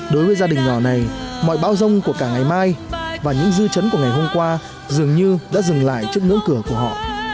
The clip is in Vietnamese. đối với gia đình nhỏ này mọi bao rông của cả ngày mai và những dư chấn của ngày hôm qua dường như đã dừng lại trước ngưỡng cửa của họ